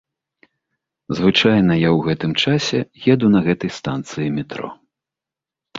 Звычайна я ў гэтым часе еду на гэтай станцыі метро.